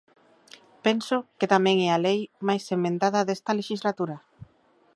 Penso que tamén é a lei máis emendada desta lexislatura.